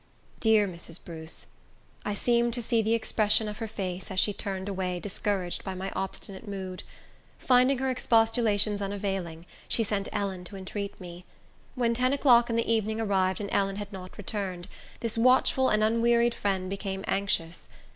Dear Mrs. Bruce! I seem to see the expression of her face, as she turned away discouraged by my obstinate mood. Finding her expostulations unavailing, she sent Ellen to entreat me. When ten o'clock in the evening arrived and Ellen had not returned, this watchful and unwearied friend became anxious.